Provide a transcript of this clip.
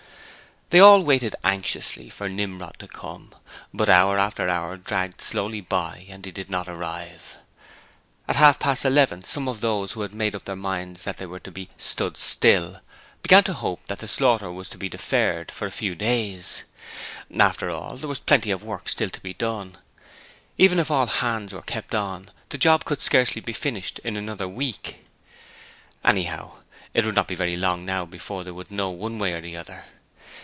They all waited anxiously for Nimrod to come, but hour after hour dragged slowly by and he did not arrive. At half past eleven some of those who had made up their minds that they were to be 'stood still' began to hope that the slaughter was to be deferred for a few days: after all, there was plenty of work still to be done: even if all hands were kept on, the job could scarcely be finished in another week. Anyhow, it would not be very long now before they would know one way or the other.